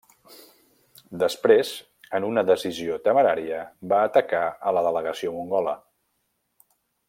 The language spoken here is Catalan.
Després en una decisió temerària va atacar a la delegació mongola.